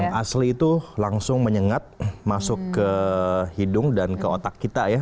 yang asli itu langsung menyengat masuk ke hidung dan ke otak kita ya